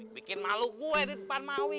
bikin malu gue di depan maui